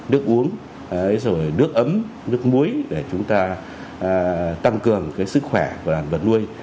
nước uống rồi nước ấm nước muối để chúng ta tăng cường cái sức khỏe của đàn vật nuôi